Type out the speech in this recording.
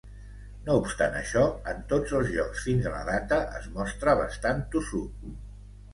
No obstant això, en tots els jocs fins a la data, es mostra bastant tossut.